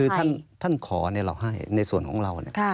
คือท่านขอเราให้ในส่วนของเรา